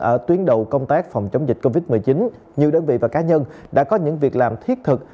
ở tuyến đầu công tác phòng chống dịch covid một mươi chín nhiều đơn vị và cá nhân đã có những việc làm thiết thực